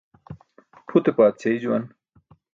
Pʰute paadśey juwan.